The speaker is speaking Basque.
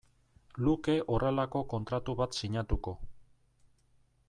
luke horrelako kontratu bat sinatuko.